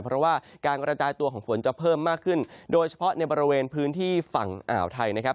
เพราะว่าการกระจายตัวของฝนจะเพิ่มมากขึ้นโดยเฉพาะในบริเวณพื้นที่ฝั่งอ่าวไทยนะครับ